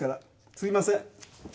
すいません。